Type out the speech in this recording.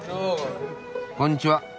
こんにちは。